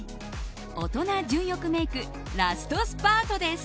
オトナ純欲メイクラストスパートです。